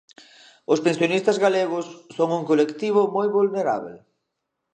Os pensionistas galegos son un colectivo moi vulnerábel.